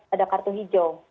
ada kartu hijau